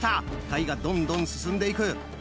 カイがどんどん進んで行く。